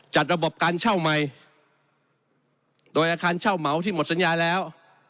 จัดระบบการเช่าใหม่โดยอาคารเช่าเหมาที่หมดสัญญาแล้ว